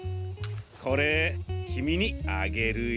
これきみにあげるよ。